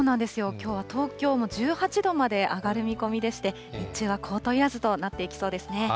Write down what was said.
きょうは東京も１８度まで上がる見込みでして、日中はコートいらずとなっていきそうですね。